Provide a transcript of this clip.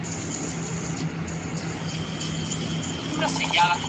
Falcón defiende el modelo de salud pública y la universalidad de la asistencia sanitaria.